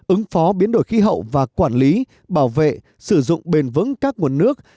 ứng phó biến đổi khí hậu và quản lý bảo vệ sử dụng bền vững các nguồn nước